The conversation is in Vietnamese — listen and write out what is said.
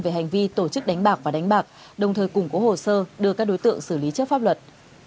về hành vi tổ chức đánh bạc và đánh bạc đồng thời củng cố hồ sơ đưa các đối tượng xử lý trước pháp luật